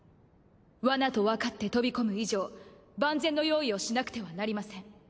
罠とわかって飛び込む以上万全の用意をしなくてはなりません。